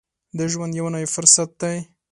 د ژوند یو نوی فرصت دی.